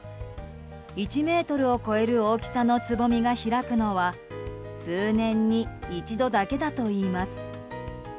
１ｍを超える大きさのつぼみが開くのは数年に一度だけだといいます。